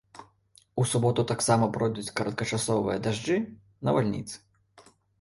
У суботу таксама пройдуць кароткачасовыя дажджы, навальніцы.